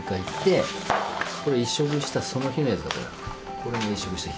これが移植した日。